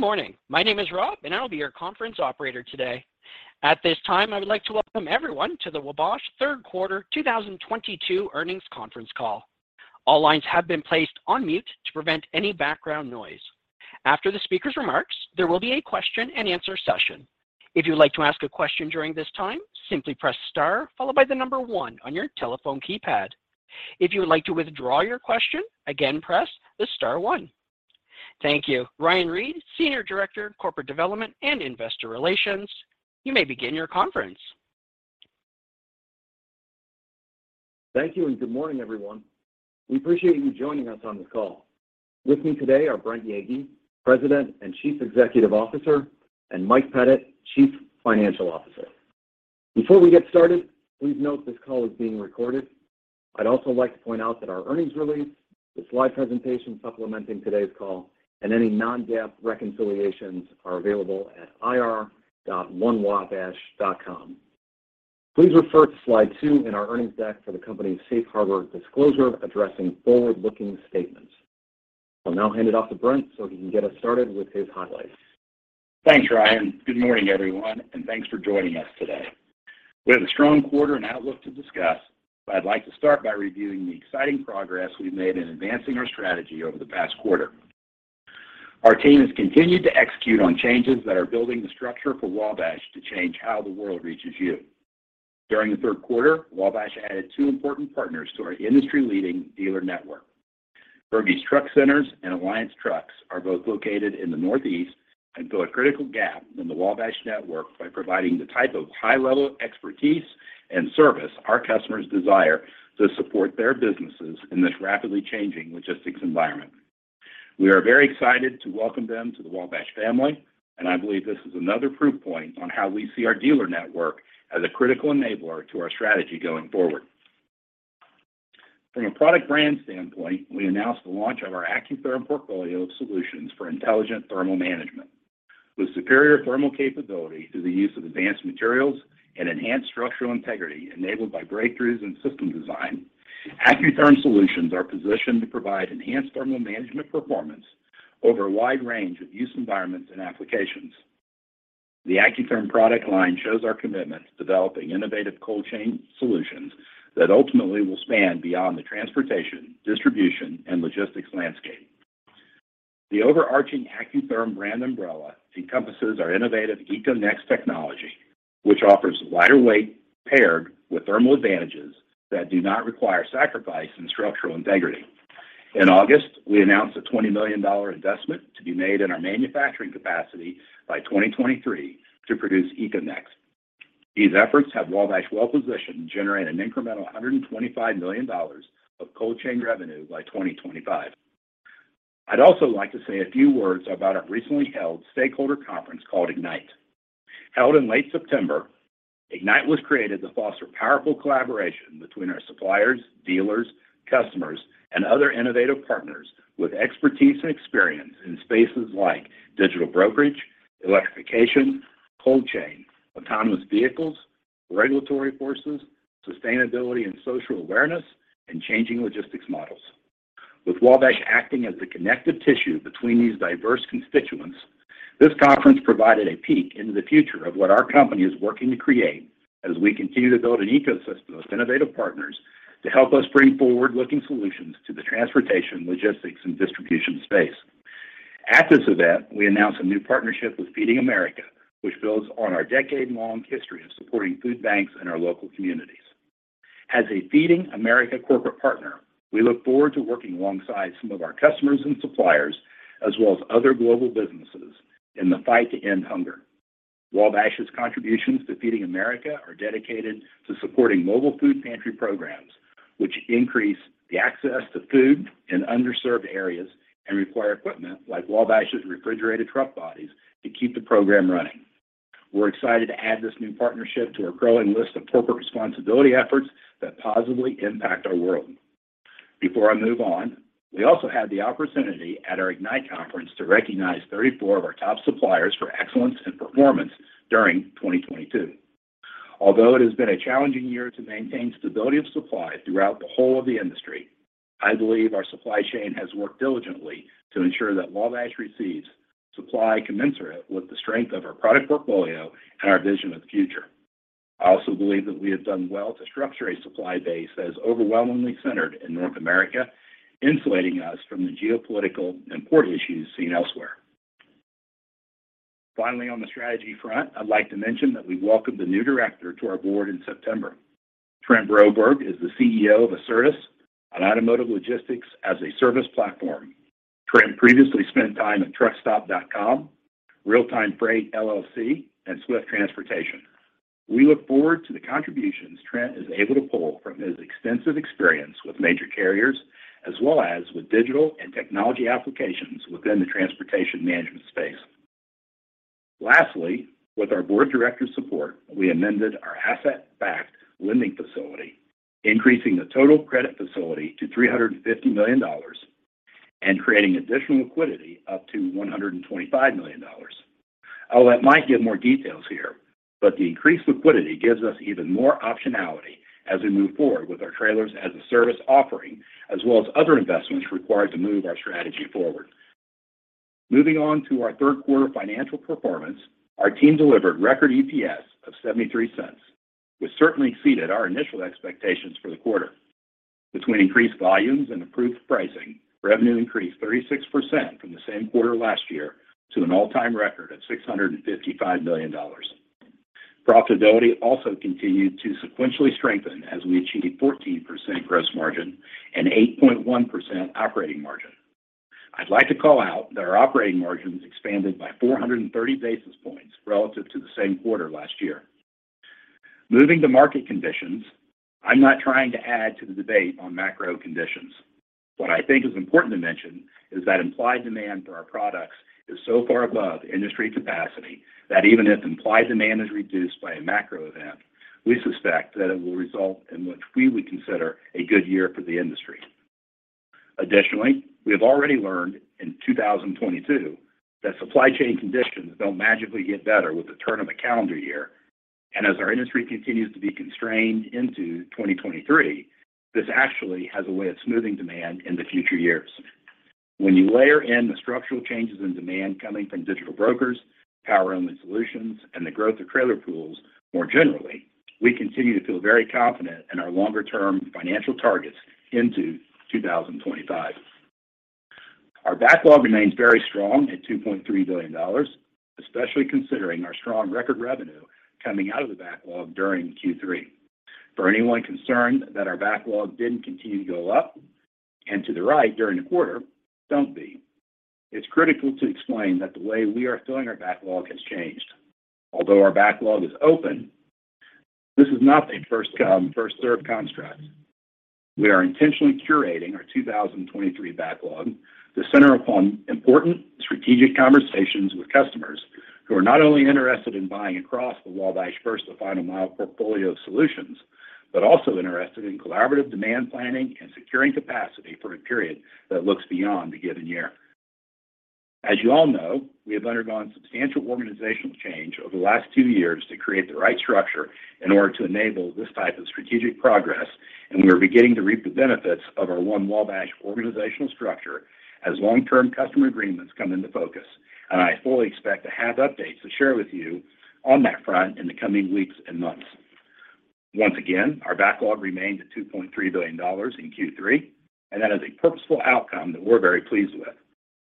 Good morning. My name is Rob, and I will be your conference operator today. At this time, I would like to welcome everyone to the Wabash Third Quarter 2022 Earnings Conference Call. All lines have been placed on mute to prevent any background noise. After the speaker's remarks, there will be a question-and-answer session. If you would like to ask a question during this time, simply press star followed by the number one on your telephone keypad. If you would like to withdraw your question, again, press the star one. Thank you. Ryan Reed, Senior Director, Corporate Development and Investor Relations, you may begin your conference. Thank you, and good morning, everyone. We appreciate you joining us on the call. With me today are Brent Yeagy, President and Chief Executive Officer, and Mike Pettit, Chief Financial Officer. Before we get started, please note this call is being recorded. I'd also like to point out that our earnings release, the slide presentation supplementing today's call, and any non-GAAP reconciliations are available at ir.onewabash.com. Please refer to slide two in our earnings deck for the company's safe harbor disclosure addressing forward-looking statements. I'll now hand it off to Brent so he can get us started with his highlights. Thanks, Ryan. Good morning, everyone, and thanks for joining us today. We have a strong quarter and outlook to discuss, but I'd like to start by reviewing the exciting progress we've made in advancing our strategy over the past quarter. Our team has continued to execute on changes that are building the structure for Wabash to change how the world reaches you. During the third quarter, Wabash added two important partners to our industry-leading dealer network. Bergey's Truck Centers and Alliance Trucks are both located in the Northeast and fill a critical gap in the Wabash network by providing the type of high-level expertise and service our customers desire to support their businesses in this rapidly changing logistics environment. We are very excited to welcome them to the Wabash family, and I believe this is another proof point on how we see our dealer network as a critical enabler to our strategy going forward. From a product brand standpoint, we announced the launch of our Acutherm portfolio of solutions for intelligent thermal management. With superior thermal capability through the use of advanced materials and enhanced structural integrity enabled by breakthroughs in system design, Acutherm solutions are positioned to provide enhanced thermal management performance over a wide range of use environments and applications. The Acutherm product line shows our commitment to developing innovative cold chain solutions that ultimately will span beyond the transportation, distribution, and logistics landscape. The overarching Acutherm brand umbrella encompasses our innovative EcoNex technology, which offers lighter weight paired with thermal advantages that do not require sacrifice in structural integrity. In August, we announced a $20 million investment to be made in our manufacturing capacity by 2023 to produce EcoNex. These efforts have Wabash well-positioned to generate an incremental $125 million of cold chain revenue by 2025. I'd also like to say a few words about our recently held stakeholder conference called Ignite. Held in late September, Ignite was created to foster powerful collaboration between our suppliers, dealers, customers, and other innovative partners with expertise and experience in spaces like digital brokerage, electrification, cold chain, autonomous vehicles, regulatory forces, sustainability and social awareness, and changing logistics models. With Wabash acting as the connective tissue between these diverse constituents, this conference provided a peek into the future of what our company is working to create as we continue to build an ecosystem of innovative partners to help us bring forward-looking solutions to the transportation, logistics, and distribution space. At this event, we announced a new partnership with Feeding America, which builds on our decade-long history of supporting food banks in our local communities. As a Feeding America corporate partner, we look forward to working alongside some of our customers and suppliers, as well as other global businesses in the fight to end hunger. Wabash's contributions to Feeding America are dedicated to supporting mobile food pantry programs, which increase the access to food in underserved areas and require equipment like Wabash's refrigerated truck bodies to keep the program running. We're excited to add this new partnership to our growing list of corporate responsibility efforts that positively impact our world. Before I move on, we also had the opportunity at our Ignite conference to recognize 34 of our top suppliers for excellence and performance during 2022. Although it has been a challenging year to maintain stability of supply throughout the whole of the industry, I believe our supply chain has worked diligently to ensure that Wabash receives supply commensurate with the strength of our product portfolio and our vision of the future. I also believe that we have done well to structure a supply base that is overwhelmingly centered in North America, insulating us from the geopolitical and port issues seen elsewhere. Finally, on the strategy front, I'd like to mention that we welcomed a new director to our board in September. Trent Broberg is the CEO of Acertus, an automotive logistics as a service platform. Trent previously spent time at Truckstop.com, Real Time Freight Services LLC, and Swift Transportation. We look forward to the contributions Trent is able to pull from his extensive experience with major carriers, as well as with digital and technology applications within the transportation management space. Lastly, with our board director's support, we amended our asset-backed lending facility, increasing the total credit facility to $350 million and creating additional liquidity up to $125 million. I'll let Mike give more details here, but the increased liquidity gives us even more optionality as we move forward with our Trailers as a Service offering, as well as other investments required to move our strategy forward. Moving on to our third quarter financial performance, our team delivered record EPS of $0.73, which certainly exceeded our initial expectations for the quarter. Between increased volumes and improved pricing, revenue increased 36% from the same quarter last year to an all-time record of $655 million. Profitability also continued to sequentially strengthen as we achieved 14% gross margin and 8.1% operating margin. I'd like to call out that our operating margins expanded by 430 basis points relative to the same quarter last year. Moving to market conditions, I'm not trying to add to the debate on macro conditions. What I think is important to mention is that implied demand for our products is so far above industry capacity that even if implied demand is reduced by a macro event, we suspect that it will result in what we would consider a good year for the industry. Additionally, we have already learned in 2022 that supply chain conditions don't magically get better with the turn of a calendar year. As our industry continues to be constrained into 2023, this actually has a way of smoothing demand in the future years. When you layer in the structural changes in demand coming from digital brokers, power-only solutions, and the growth of trailer pools, more generally, we continue to feel very confident in our longer-term financial targets into 2025. Our backlog remains very strong at $2.3 billion, especially considering our strong record revenue coming out of the backlog during Q3. For anyone concerned that our backlog didn't continue to go up and to the right during the quarter, don't be. It's critical to explain that the way we are filling our backlog has changed. Although our backlog is open, this is not a first come, first served construct. We are intentionally curating our 2023 backlog to center upon important strategic conversations with customers who are not only interested in buying across the Wabash first to final mile portfolio of solutions, but also interested in collaborative demand planning and securing capacity for a period that looks beyond the given year. As you all know, we have undergone substantial organizational change over the last two years to create the right structure in order to enable this type of strategic progress, and we are beginning to reap the benefits of our One Wabash organizational structure as long-term customer agreements come into focus. I fully expect to have updates to share with you on that front in the coming weeks and months. Once again, our backlog remained at $2.3 billion in Q3, and that is a purposeful outcome that we're very pleased with.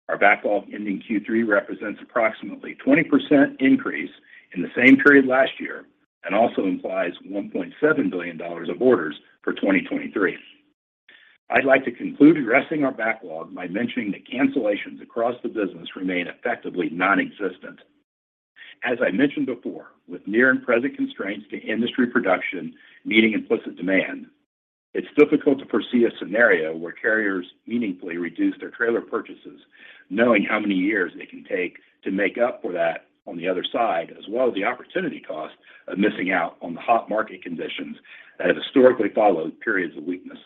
Our backlog ending Q3 represents approximately 20% increase in the same period last year and also implies $1.7 billion of orders for 2023. I'd like to conclude addressing our backlog by mentioning that cancellations across the business remain effectively nonexistent. As I mentioned before, with near and present constraints to industry production meeting implicit demand, it's difficult to foresee a scenario where carriers meaningfully reduce their trailer purchases, knowing how many years it can take to make up for that on the other side, as well as the opportunity cost of missing out on the hot market conditions that have historically followed periods of weakness.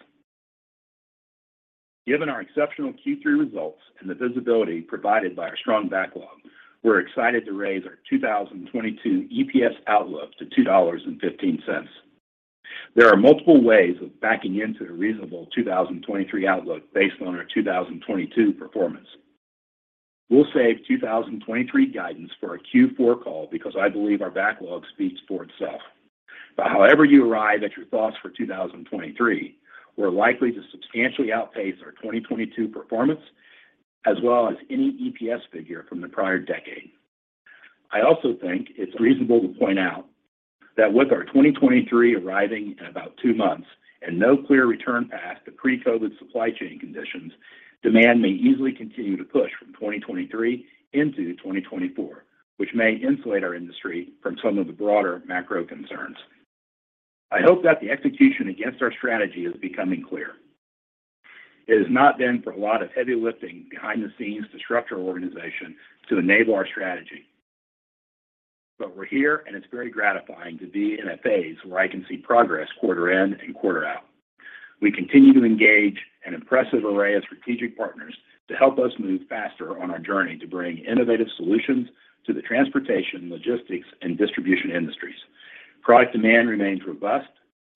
Given our exceptional Q3 results and the visibility provided by our strong backlog, we're excited to raise our 2022 EPS outlook to $2.15. There are multiple ways of backing into the reasonable 2023 outlook based on our 2022 performance. We'll save 2023 guidance for a Q4 call because I believe our backlog speaks for itself. However you arrive at your thoughts for 2023, we're likely to substantially outpace our 2022 performance as well as any EPS figure from the prior decade. I also think it's reasonable to point out that with our 2023 arriving in about two months and no clear return path to pre-COVID supply chain conditions, demand may easily continue to push from 2023 into 2024, which may insulate our industry from some of the broader macro concerns. I hope that the execution against our strategy is becoming clear. It has taken a lot of heavy lifting behind the scenes to structure our organization to enable our strategy. We're here, and it's very gratifying to be in a phase where I can see progress quarter in and quarter out. We continue to engage an impressive array of strategic partners to help us move faster on our journey to bring innovative solutions to the transportation, logistics, and distribution industries. Product demand remains robust,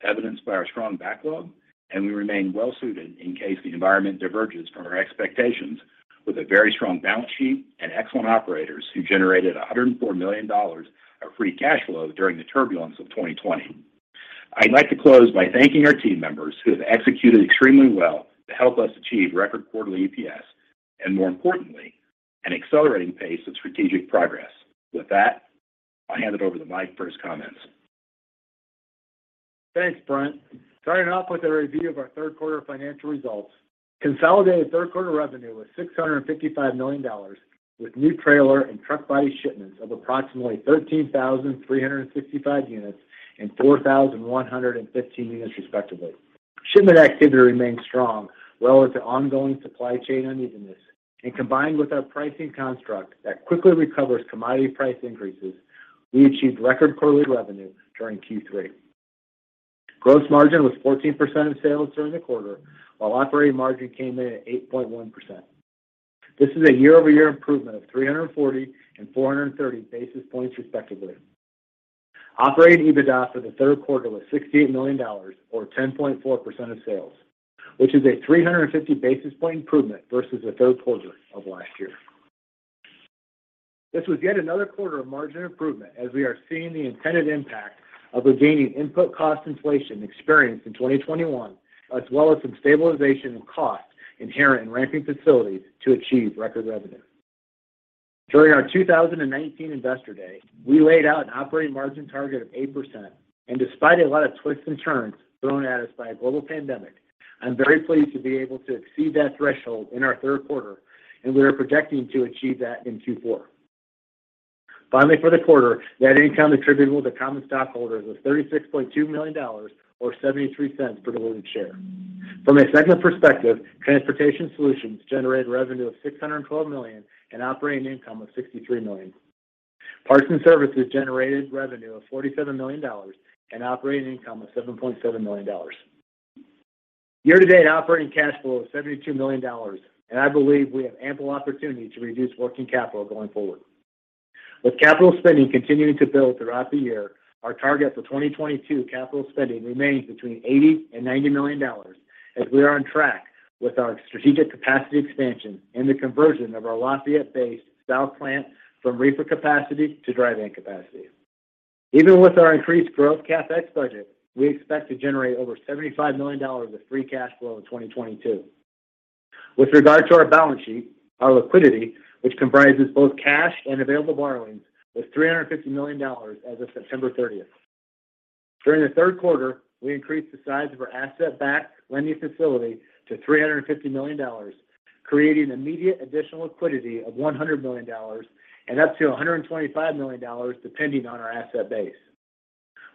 evidenced by our strong backlog, and we remain well suited in case the environment diverges from our expectations with a very strong balance sheet and excellent operators who generated $104 million of free cash flow during the turbulence of 2020. I'd like to close by thanking our team members who have executed extremely well to help us achieve record quarterly EPS and, more importantly, an accelerating pace of strategic progress. With that, I'll hand it over to Mike for his comments. Thanks, Brent. Starting off with a review of our third quarter financial results, consolidated third quarter revenue was $655 million, with new trailer and truck body shipments of approximately 13,365 units and 4,115 units, respectively. Shipment activity remains strong relative to ongoing supply chain unevenness. Combined with our pricing construct that quickly recovers commodity price increases, we achieved record quarterly revenue during Q3. Gross margin was 14% of sales during the quarter, while operating margin came in at 8.1%. This is a year-over-year improvement of 340 and 430 basis points respectively. Operating EBITDA for the third quarter was $68 million, or 10.4% of sales, which is a 350 basis point improvement versus the third quarter of last year. This was yet another quarter of margin improvement, as we are seeing the intended impact of reining in input cost inflation experienced in 2021, as well as some stabilization in costs inherent in ramping facilities to achieve record revenue. During our 2019 investor day, we laid out an operating margin target of 8%. Despite a lot of twists and turns thrown at us by a global pandemic, I'm very pleased to be able to exceed that threshold in our third quarter, and we are projecting to achieve that in Q4. Finally, for the quarter, net income attributable to common stockholders was $36.2 million, or $0.73 per diluted share. From a segment perspective, Transportation Solutions generated revenue of $612 million and operating income of $63 million. Parts & Services generated revenue of $47 million and operating income of $7.7 million. Year-to-date operating cash flow is $72 million, and I believe we have ample opportunity to reduce working capital going forward. With capital spending continuing to build throughout the year, our target for 2022 capital spending remains between $80 million and $90 million, as we are on track with our strategic capacity expansion and the conversion of our Lafayette-based south plant from reefer capacity to dry van capacity. Even with our increased growth CapEx budget, we expect to generate over $75 million of free cash flow in 2022. With regard to our balance sheet, our liquidity, which comprises both cash and available borrowings, was $350 million as of September 30th. During the third quarter, we increased the size of our asset-backed lending facility to $350 million, creating immediate additional liquidity of $100 million, and up to $125 million, depending on our asset base.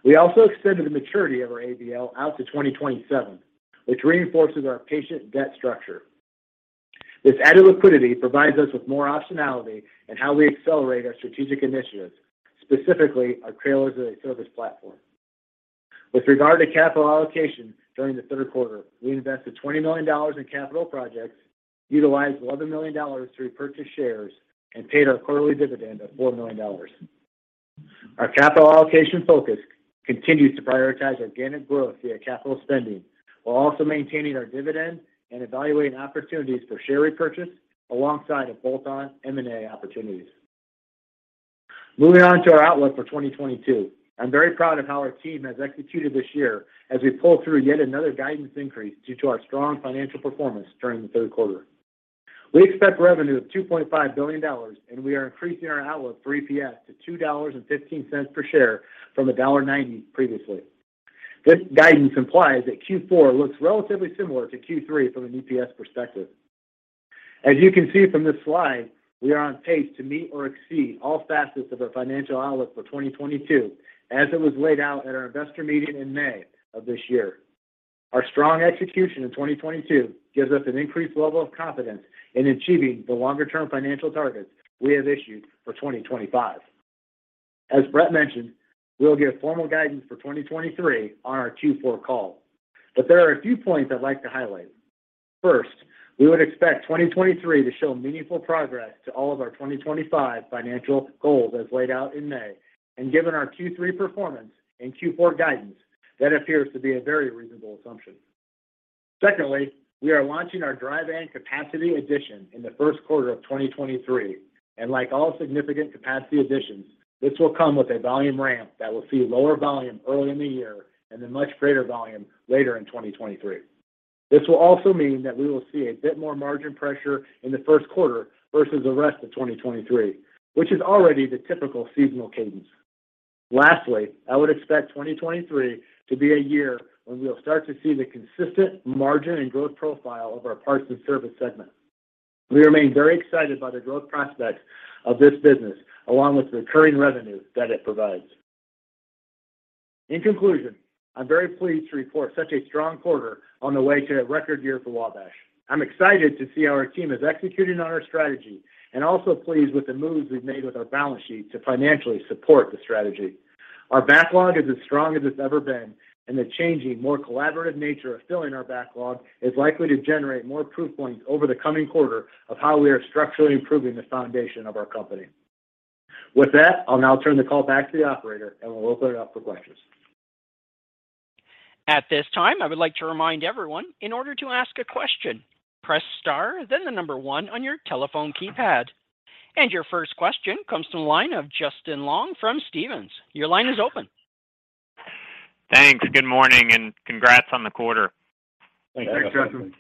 We also extended the maturity of our ABL out to 2027, which reinforces our patient debt structure. This added liquidity provides us with more optionality in how we accelerate our strategic initiatives, specifically our Trailers as a Service platform. With regard to capital allocation during the third quarter, we invested $20 million in capital projects, utilized $11 million to repurchase shares, and paid our quarterly dividend of $4 million. Our capital allocation focus continues to prioritize organic growth via capital spending, while also maintaining our dividend and evaluating opportunities for share repurchase alongside of bolt-on M&A opportunities. Moving on to our outlook for 2022. I'm very proud of how our team has executed this year as we pull through yet another guidance increase due to our strong financial performance during the third quarter. We expect revenue of $2.5 billion, and we are increasing our outlook for EPS to $2.15 per share from $1.90 previously. This guidance implies that Q4 looks relatively similar to Q3 from an EPS perspective. As you can see from this slide, we are on pace to meet or exceed all facets of our financial outlook for 2022, as it was laid out at our investor meeting in May of this year. Our strong execution in 2022 gives us an increased level of confidence in achieving the longer-term financial targets we have issued for 2025. As Brent mentioned, we'll give formal guidance for 2023 on our Q4 call, but there are a few points I'd like to highlight. First, we would expect 2023 to show meaningful progress to all of our 2025 financial goals as laid out in May. Given our Q3 performance and Q4 guidance, that appears to be a very reasonable assumption. Secondly, we are launching our dry van capacity addition in the first quarter of 2023, and like all significant capacity additions, this will come with a volume ramp that will see lower volume early in the year and then much greater volume later in 2023. This will also mean that we will see a bit more margin pressure in the first quarter versus the rest of 2023, which is already the typical seasonal cadence. Lastly, I would expect 2023 to be a year when we will start to see the consistent margin and growth profile of our Parts & Services segment. We remain very excited by the growth prospects of this business, along with the recurring revenue that it provides. In conclusion, I'm very pleased to report such a strong quarter on the way to a record year for Wabash. I'm excited to see how our team is executing on our strategy and also pleased with the moves we've made with our balance sheet to financially support the strategy. Our backlog is as strong as it's ever been, and the changing, more collaborative nature of filling our backlog is likely to generate more proof points over the coming quarter of how we are structurally improving the foundation of our company. With that, I'll now turn the call back to the operator, and we'll open it up for questions. At this time, I would like to remind everyone, in order to ask a question, press star then the number one on your telephone keypad. Your first question comes from the line of Justin Long from Stephens. Your line is open. Thanks. Good morning, and congrats on the quarter. Thanks, Justin.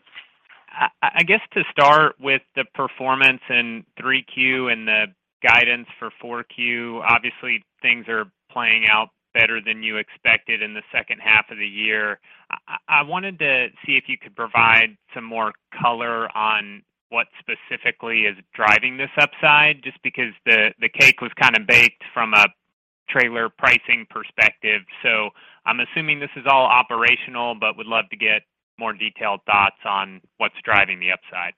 I guess to start with the performance in 3Q and the guidance for 4Q, obviously things are playing out better than you expected in the second half of the year. I wanted to see if you could provide some more color on what specifically is driving this upside, just because the cake was kind of baked from a trailer pricing perspective. I'm assuming this is all operational, but would love to get more detailed thoughts on what's driving the upside.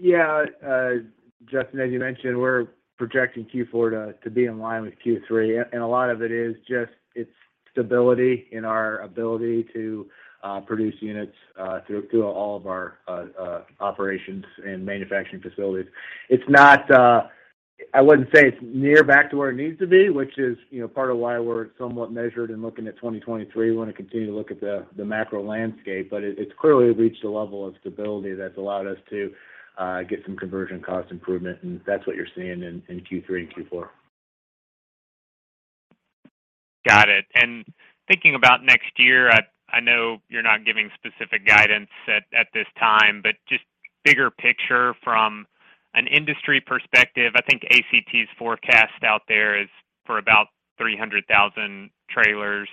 Yeah. Justin, as you mentioned, we're projecting Q4 to be in line with Q3. A lot of it is just, it's stability in our ability to produce units through all of our operations and manufacturing facilities. It's not, I wouldn't say it's nearly back to where it needs to be, which is, you know, part of why we're somewhat measured in looking at 2023. We want to continue to look at the macro landscape, but it's clearly reached a level of stability that's allowed us to get some conversion cost improvement, and that's what you're seeing in Q3 and Q4. Got it. Thinking about next year, I know you're not giving specific guidance at this time, but just bigger picture from an industry perspective, I think ACT's forecast out there is for about 300,000 trailers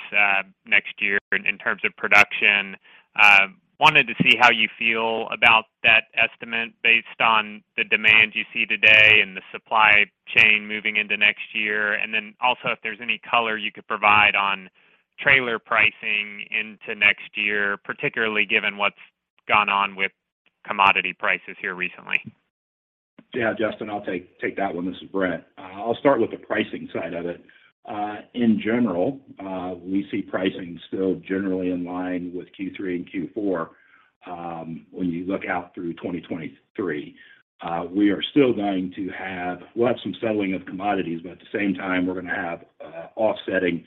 next year in terms of production. Wanted to see how you feel about that estimate based on the demand you see today and the supply chain moving into next year, and then also if there's any color you could provide on trailer pricing into next year, particularly given what's gone on with commodity prices here recently. Yeah, Justin, I'll take that one. This is Brent. I'll start with the pricing side of it. In general, we see pricing still generally in line with Q3 and Q4, when you look out through 2023. We'll have some settling of commodities, but at the same time, we're gonna have offsetting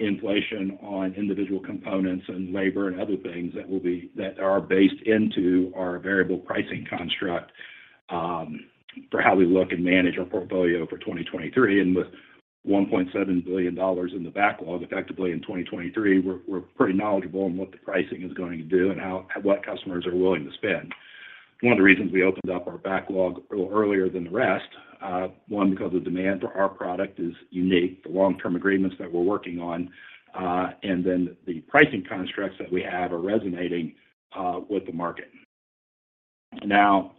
inflation on individual components and labor and other things that are baked into our variable pricing construct, for how we look and manage our portfolio for 2023. With $1.7 billion in the backlog effectively in 2023, we're pretty knowledgeable on what the pricing is going to do and what customers are willing to spend. One of the reasons we opened up our backlog a little earlier than the rest, because the demand for our product is unique, the long-term agreements that we're working on, and then the pricing constructs that we have are resonating with the market. Now,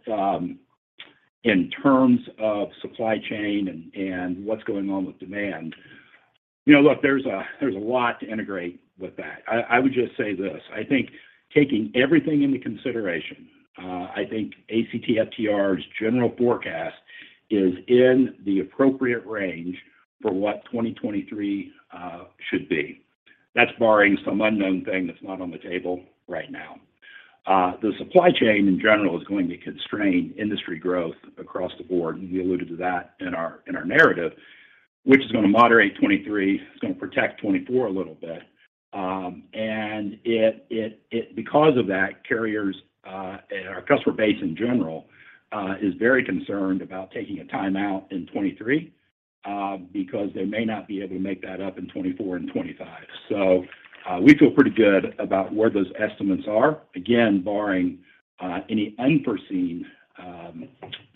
in terms of supply chain and what's going on with demand, you know, look, there's a lot to integrate with that. I would just say this, I think taking everything into consideration, I think ACT FTR's general forecast is in the appropriate range for what 2023 should be. That's barring some unknown thing that's not on the table right now. The supply chain in general is going to constrain industry growth across the board. We alluded to that in our narrative, which is gonna moderate 2023. It's gonna protect 2024 a little bit. Because of that, carriers and our customer base in general is very concerned about taking a timeout in 2023 because they may not be able to make that up in 2024 and 2025. We feel pretty good about where those estimates are. Again, barring any unforeseen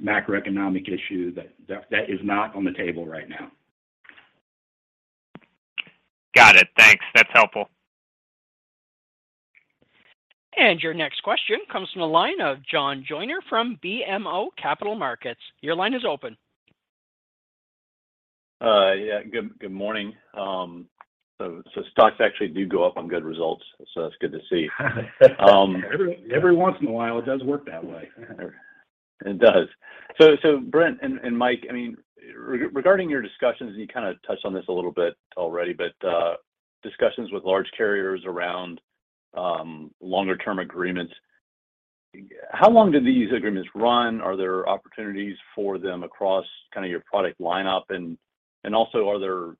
macroeconomic issue that is not on the table right now. Got it. Thanks. That's helpful. Your next question comes from the line of John Joyner from BMO Capital Markets. Your line is open. Good morning. Stocks actually do go up on good results, so that's good to see. Every once in a while it does work that way. It does. Brent and Mike, I mean, regarding your discussions, and you kinda touched on this a little bit already, but discussions with large carriers around longer term agreements, how long do these agreements run? Are there opportunities for them across kinda your product lineup? Also, are there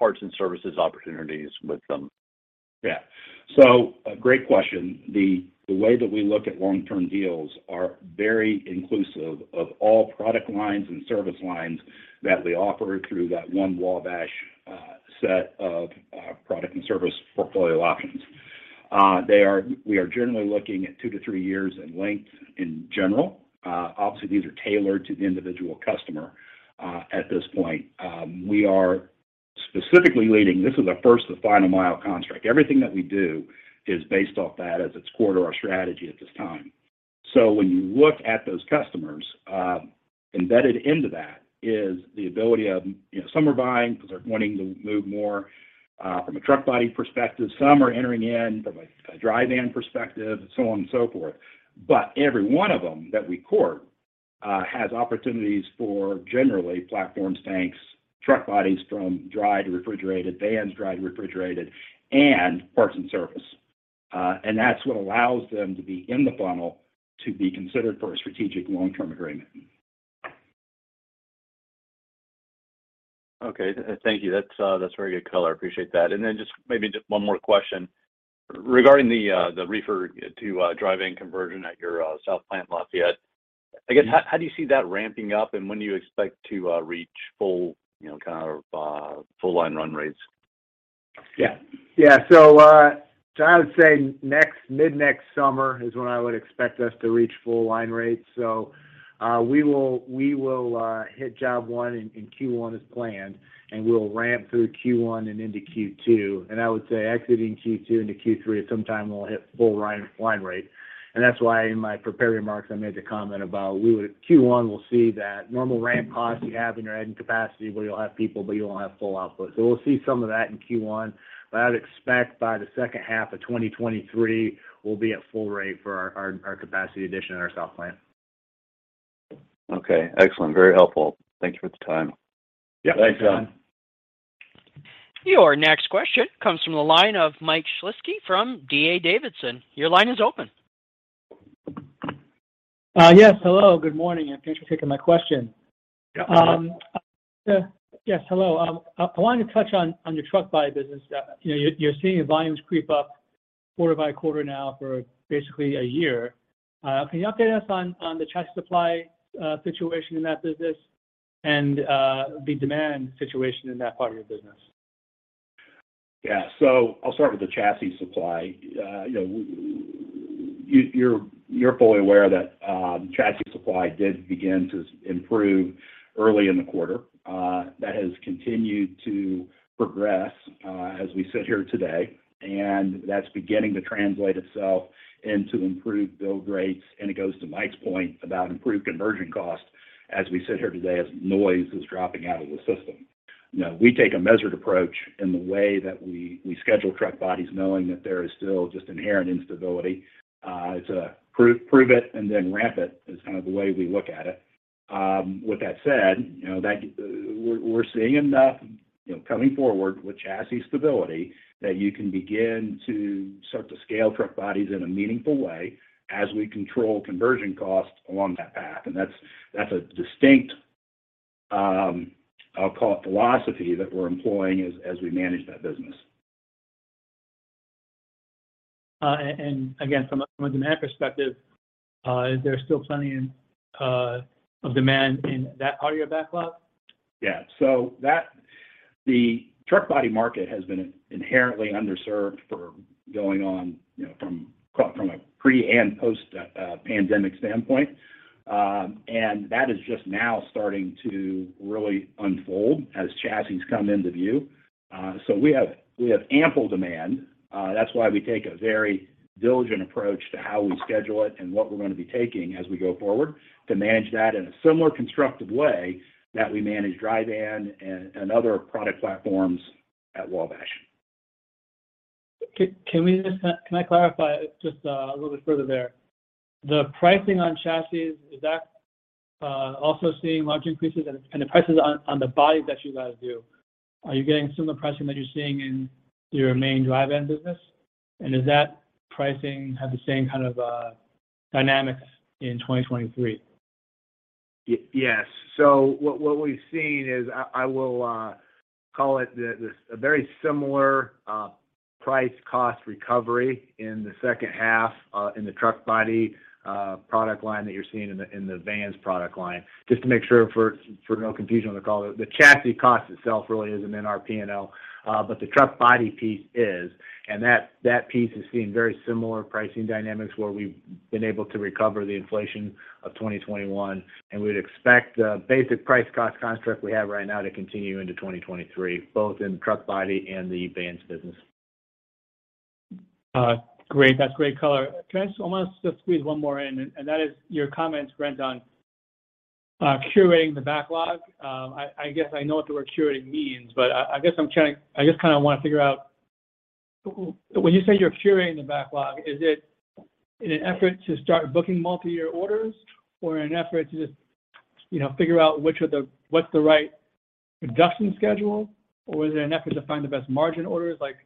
Parts and Services opportunities with them? Yeah. A great question. The way that we look at long-term deals are very inclusive of all product lines and service lines that we offer through that One Wabash set of product and service portfolio options. We are generally looking at 2-3 years in length in general. Obviously, these are tailored to the individual customer at this point. This is our first to final mile contract. Everything that we do is based off that as it's core to our strategy at this time. When you look at those customers, embedded into that is the ability of, you know, some are buying 'cause they're wanting to move more from a truck body perspective. Some are entering in from a dry van perspective, so on and so forth. Every one of them that we court has opportunities for generally platforms, tanks, truck bodies from dry to refrigerated, vans, dry to refrigerated, and parts and service. That's what allows them to be in the funnel to be considered for a strategic long-term agreement. Okay. Thank you. That's very good color. I appreciate that. Then just maybe just one more question. Regarding the reefer to dry van conversion at your south plant Lafayette, I guess how do you see that ramping up, and when do you expect to reach full, you know, kind of, full line run rates? Yeah. John, I would say mid next summer is when I would expect us to reach full line rates. We will hit job one in Q1 as planned, and we'll ramp through Q1 and into Q2, and I would say exiting Q2 into Q3, at some time we'll hit full line rate. That's why in my prepared remarks, I made the comment about Q1 we'll see that normal ramp costs you have when you're adding capacity where you'll have people but you won't have full output. We'll see some of that in Q1, but I'd expect by the second half of 2023, we'll be at full rate for our capacity addition in our south plant. Okay, excellent. Very helpful. Thank you for the time. Yeah. Thanks, John. Your next question comes from the line of Mike Shlisky from D.A. Davidson. Your line is open. Yes. Hello. Good morning, and thanks for taking my question. Yeah. Yes, hello. I wanted to touch on your truck body business. You know, you're seeing volumes creep up quarter by quarter now for basically a year. Can you update us on the chassis supply situation in that business and the demand situation in that part of your business? Yeah. I'll start with the chassis supply. You're fully aware that chassis supply did begin to improve early in the quarter. That has continued to progress as we sit here today, and that's beginning to translate itself into improved build rates. It goes to Mike's point about improved conversion cost as we sit here today, as noise is dropping out of the system. We take a measured approach in the way that we schedule truck bodies, knowing that there is still just inherent instability to prove it and then ramp it is kind of the way we look at it. With that said, you know, that we're seeing enough, you know, coming forward with chassis stability that you can begin to start to scale truck bodies in a meaningful way as we control conversion costs along that path. That's a distinct, I'll call it philosophy that we're employing as we manage that business. Again, from a demand perspective, is there still plenty of demand in that part of your backlog? The truck body market has been inherently underserved for going on from a pre- and post-pandemic standpoint. That is just now starting to really unfold as chassis come into view. We have ample demand. That's why we take a very diligent approach to how we schedule it and what we're gonna be taking as we go forward to manage that in a similar constructive way that we manage dry van and other product platforms at Wabash. Can I clarify just a little bit further there? The pricing on chassis, is that also seeing large increases and the prices on the bodies that you guys do? Are you getting similar pricing that you're seeing in your main dry van business? Does that pricing have the same kind of dynamics in 2023? Yes. So what we've seen is I will call it a very similar price cost recovery in the second half in the truck body product line that you're seeing in the vans product line. Just to make sure for no confusion on the call, the chassis cost itself really isn't in our P&L, but the truck body piece is. That piece is seeing very similar pricing dynamics where we've been able to recover the inflation of 2021, and we'd expect the basic price cost construct we have right now to continue into 2023, both in truck body and the vans business. Great. That's great color. Can I just squeeze one more in, that is your comments, Brent, on curating the backlog. I guess I know what the word curating means, but I guess I just kind of want to figure out, when you say you're curating the backlog, is it in an effort to start booking multi-year orders or an effort to just, you know, figure out what's the right production schedule, or is it an effort to find the best margin orders? Like,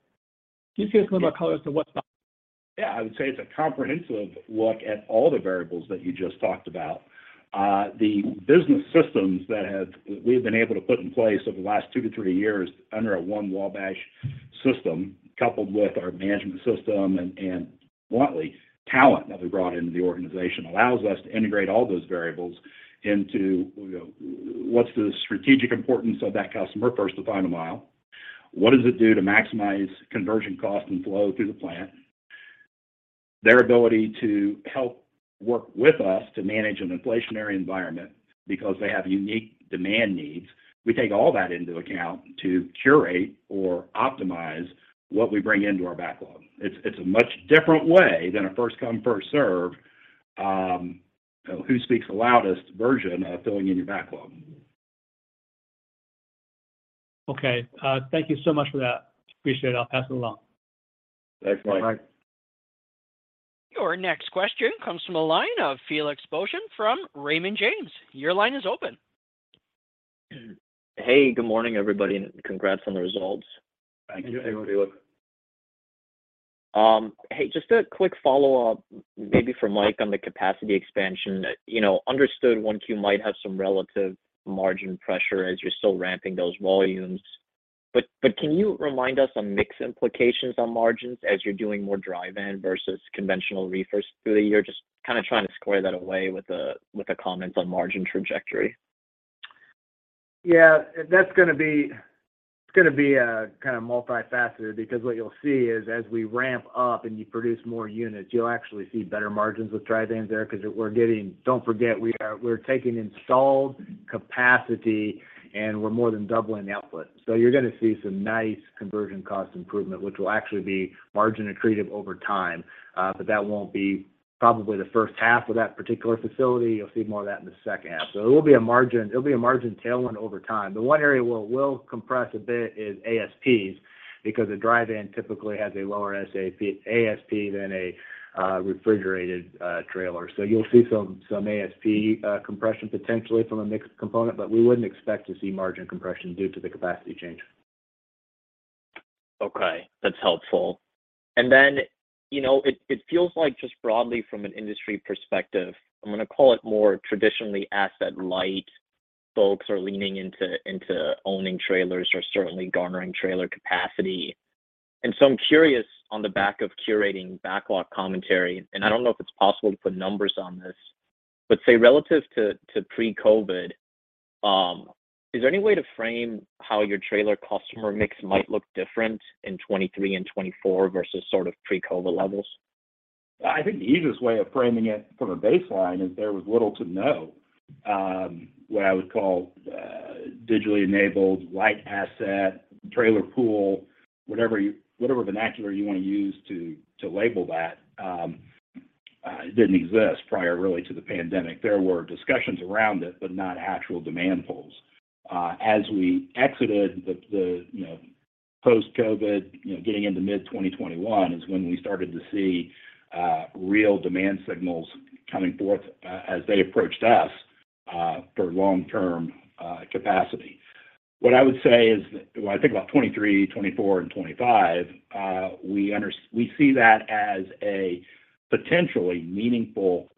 can you just give us a little more color as to what's the... Yeah, I would say it's a comprehensive look at all the variables that you just talked about. The business systems that we've been able to put in place over the last 2-3 years under a One Wabash system, coupled with our management system and bluntly, talent that we brought into the organization allows us to integrate all those variables into, you know, what's the strategic importance of that customer versus the final mile? What does it do to maximize conversion cost and flow through the plant? Their ability to help work with us to manage an inflationary environment because they have unique demand needs. We take all that into account to curate or optimize what we bring into our backlog. It's a much different way than a first come, first served, who speaks the loudest version of filling in your backlog. Okay. Thank you so much for that. Appreciate it. I'll pass it along. Thanks, Mike. Your next question comes from the line of Felix Boeschen from Raymond James. Your line is open. Hey, good morning, everybody, and congrats on the results. Thank you. Hey, just a quick follow-up, maybe for Mike on the capacity expansion. You know, understood 1Q might have some relative margin pressure as you're still ramping those volumes, but can you remind us on mix implications on margins as you're doing more dry van versus conventional reefers through the year? Just kind of trying to square that away with the comments on margin trajectory. Yeah. That's gonna be, it's gonna be kind of multifaceted because what you'll see is as we ramp up and you produce more units, you'll actually see better margins with dry vans there because we're getting—don't forget, we're taking installed capacity, and we're more than doubling the output. So you're gonna see some nice conversion cost improvement, which will actually be margin accretive over time. But that won't be probably the first half of that particular facility. You'll see more of that in the second half. So it will be a margin, it'll be a margin tailwind over time. The one area where it will compress a bit is ASPs because a dry van typically has a lower ASP than a refrigerated trailer. You'll see some ASP compression potentially from a mixed component, but we wouldn't expect to see margin compression due to the capacity change. Okay, that's helpful. Then, you know, it feels like just broadly from an industry perspective, I'm gonna call it more traditionally asset-light folks are leaning into owning trailers or certainly garnering trailer capacity. I'm curious on the back of current backlog commentary, and I don't know if it's possible to put numbers on this, but say, relative to pre-COVID, is there any way to frame how your trailer customer mix might look different in 2023 and 2024 versus sort of pre-COVID levels? I think the easiest way of framing it from a baseline is there was little to no what I would call digitally enabled light asset trailer pool, whatever vernacular you wanna use to label that, it didn't exist prior really to the pandemic. There were discussions around it, but not actual demand pools. As we exited the post-COVID getting into mid 2021 is when we started to see real demand signals coming forth as they approached us for long-term capacity. What I would say is when I think about 2023, 2024, and 2025 we see that as a potentially meaningful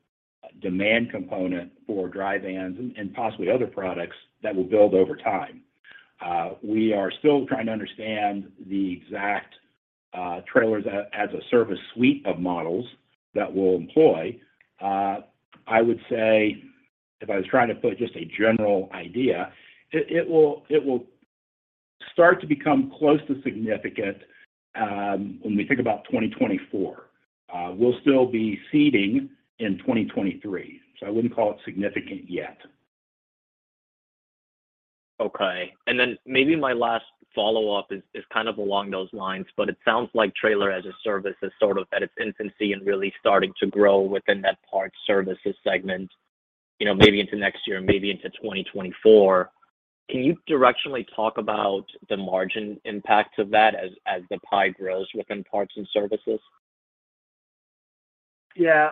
demand component for dry vans and possibly other products that will build over time. We are still trying to understand the exact trailers as a service suite of models that we'll employ. I would say if I was trying to put just a general idea, it will start to become close to significant when we think about 2024. We'll still be seeding in 2023, so I wouldn't call it significant yet. Okay. Maybe my last follow-up is kind of along those lines, but it sounds like Trailers as a Service is sort of in its infancy and really starting to grow within that Parts & Services segment, you know, maybe into next year, maybe into 2024. Can you directionally talk about the margin impact of that as the pie grows within Parts & Services? Yeah.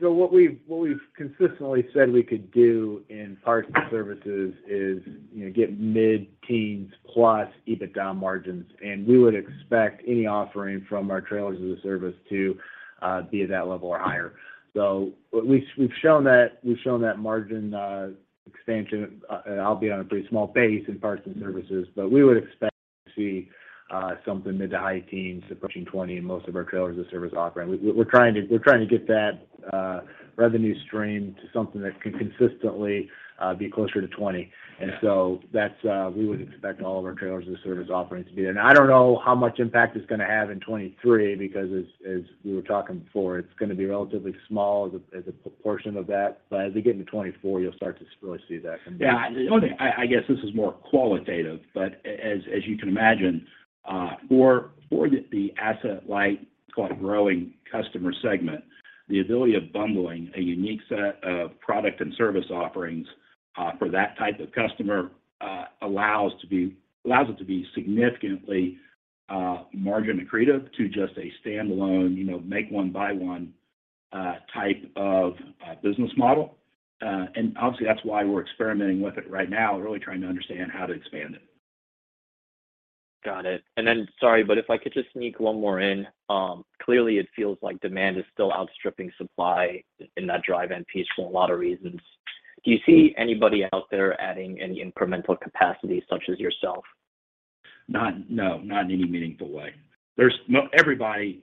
What we've consistently said we could do in Parts & Services is, you know, get mid-teens% plus EBITDA margins, and we would expect any offering from our Trailers as a Service to be at that level or higher. We've shown that margin expansion, albeit on a pretty small base in Parts & Services, but we would expect to see something mid- to high-teens% approaching 20% in most of our Trailers as a Service offering. We're trying to get that revenue stream to something that can consistently be closer to 20%. That's we would expect all of our Trailers as a Service offerings to be. I don't know how much impact it's gonna have in 2023 because we were talking before, it's gonna be relatively small as a proportion of that. As we get into 2024, you'll start to really see that. Yeah. I guess this is more qualitative, but as you can imagine, for the asset-light, quickly growing customer segment, the ability of bundling a unique set of product and service offerings for that type of customer allows it to be significantly margin accretive to just a standalone, you know, make one, buy one type of business model. Obviously that's why we're experimenting with it right now and really trying to understand how to expand it. Got it. Sorry, but if I could just sneak one more in. Clearly it feels like demand is still outstripping supply in that dry van piece for a lot of reasons. Do you see anybody out there adding any incremental capacity such as yourself? No, not in any meaningful way. No, everybody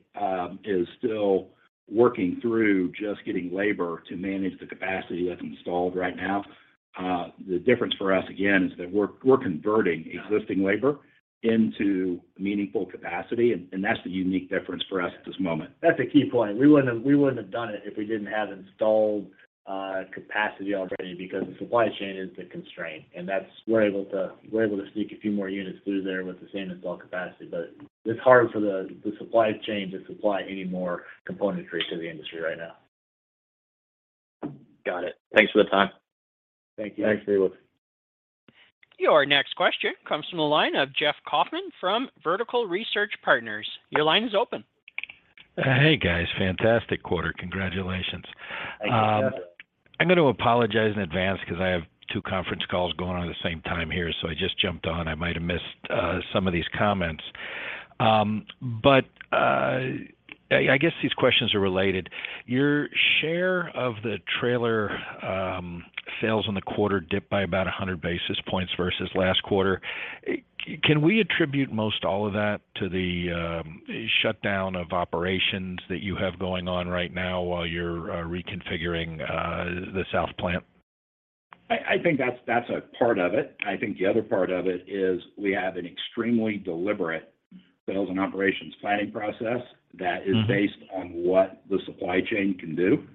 is still working through just getting labor to manage the capacity that's installed right now. The difference for us again is that we're converting existing labor into meaningful capacity, and that's the unique difference for us at this moment. That's a key point. We wouldn't have done it if we didn't have installed capacity already because the supply chain is the constraint, we're able to sneak a few more units through there with the same installed capacity. It's hard for the supply chain to supply any more componentry to the industry right now. Got it. Thanks for the time. Thank you. Thanks. Your next question comes from the line of Jeff Kauffman from Vertical Research Partners. Your line is open. Hey, guys. Fantastic quarter. Congratulations. Thank you. I'm gonna apologize in advance 'cause I have two conference calls going on at the same time here, so I just jumped on. I might have missed some of these comments. I guess these questions are related. Your share of the trailer sales in the quarter dipped by about 100 basis points versus last quarter. Can we attribute most all of that to the shutdown of operations that you have going on right now while you're reconfiguring the south plant? I think that's a part of it. I think the other part of it is we have an extremely deliberate sales and operations planning process that is based on what the supply chain can do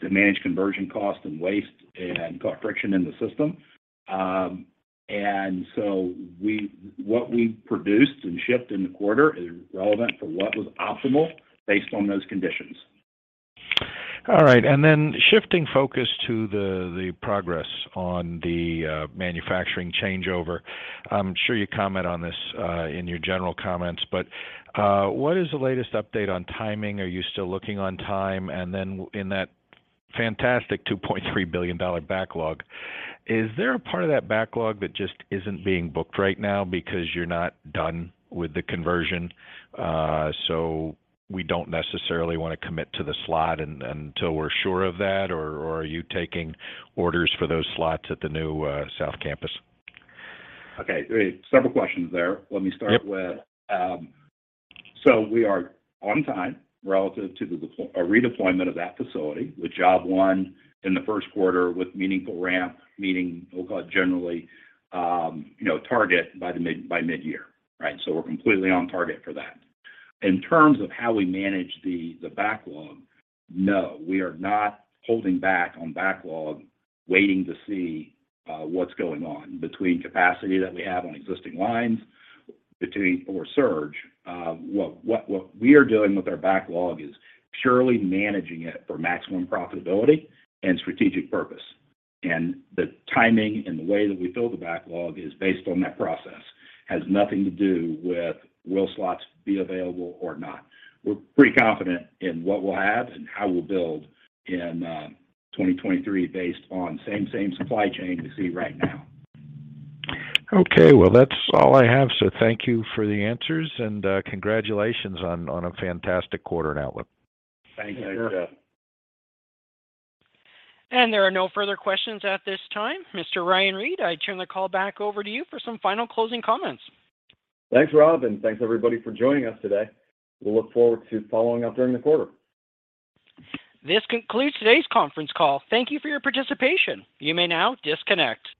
to manage conversion cost and waste and friction in the system. What we produced and shipped in the quarter is relevant for what was optimal based on those conditions. All right. Shifting focus to the progress on the manufacturing changeover. I'm sure you comment on this in your general comments, but what is the latest update on timing? Are you still looking on time? In that fantastic $2.3 billion backlog, is there a part of that backlog that just isn't being booked right now because you're not done with the conversion, so we don't necessarily wanna commit to the slot until we're sure of that? Or are you taking orders for those slots at the new south campus? Okay. Several questions there. Let me start with so we are on time relative to a redeployment of that facility with job one in the first quarter with meaningful ramp, meaning we'll call it generally, you know, target by mid-year, right? We're completely on target for that. In terms of how we manage the backlog, no, we are not holding back on backlog waiting to see what's going on between capacity that we have on existing lines or surge. What we are doing with our backlog is purely managing it for maximum profitability and strategic purpose. The timing and the way that we fill the backlog is based on that process. Has nothing to do with will slots be available or not. We're pretty confident in what we'll have and how we'll build in 2023 based on same supply chain we see right now. Okay. Well, that's all I have. Thank you for the answers, and congratulations on a fantastic quarter and outlook. Thank you. Thanks. There are no further questions at this time. Mr. Ryan Reed, I turn the call back over to you for some final closing comments. Thanks, Rob, and thanks everybody for joining us today. We'll look forward to following up during the quarter. This concludes today's conference call. Thank you for your participation. You may now disconnect.